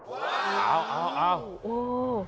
ว้าวอ้าว